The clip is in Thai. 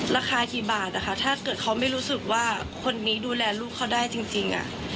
ราคากี่บาทนะคะถ้าเกิดเขาไม่รู้สึกว่าคนนี้ดูแลลูกเขาได้จริง